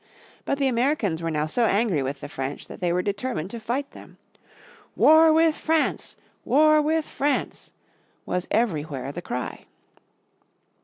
But the Americans were now so angry with the French that they were determined to fight them. "War with France!" was everywhere the cry.